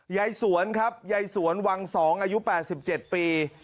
ยายสวนครับยายสวนวัง๒อายุ๘๗ปี